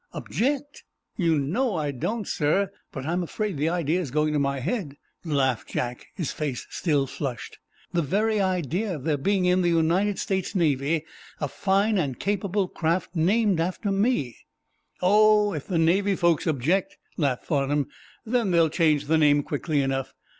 "Object? You know I don't, sir. But I am afraid the idea is going to my head," laughed Jack, his face still flushed. "The very idea of there being in the United States Navy a fine and capable craft named after me—" "Oh, if the Navy folks object," laughed Farnum, "then they'll change the name quickly enough.